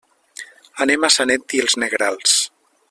Anem a Sanet i els Negrals.